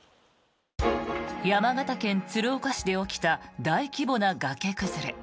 山形県鶴岡市で起きた大規模な崖崩れ。